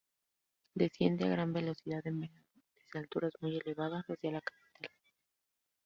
Desciende a gran velocidad en verano, desde alturas muy elevadas hacia la capital.